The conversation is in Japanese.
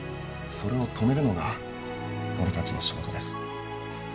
それを止めるのが俺たちの仕事です。